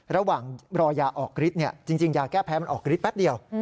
ระหว่างรอยาออกริดเนี่ยจริงยาแก้แพ้มันออกริดแป๊บเดียว